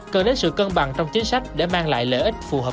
cần đến sự cân bằng trong chính sách để mang lại lợi ích phù hợp